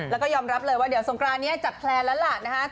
แล้วก็ยอมรับเลยว่าเดี๋ยวสงกรานนี้จัดแพลนแล้วล่ะนะคะ